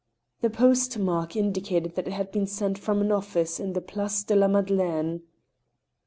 The post mark indicated that it had been sent from an office in the Place de la Madeleine.